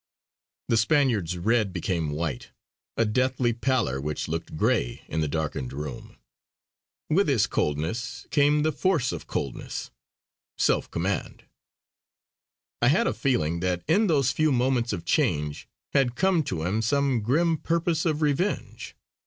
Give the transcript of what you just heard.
The Spaniard's red became white; a deathly pallor which looked grey in the darkened room. With his coldness came the force of coldness, self command. I had a feeling that in those few moments of change had come to him some grim purpose of revenge.